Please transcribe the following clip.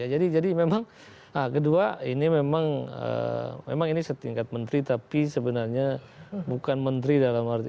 jadi memang kedua ini memang ini setingkat menteri tapi sebenarnya bukan menteri dalam arti